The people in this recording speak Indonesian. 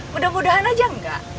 mudah mudahan aja enggak